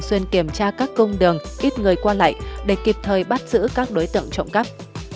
xuyên kiểm tra các công đường ít người qua lại để kịp thời bắt giữ các đối tượng trộm cắp